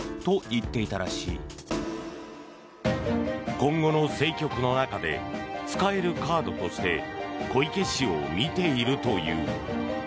今後の政局の中で使えるカードとして小池氏を見ているという。